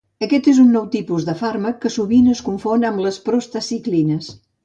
Aquest és un nou tipus de fàrmac que sovint es confon amb les prostaciclines.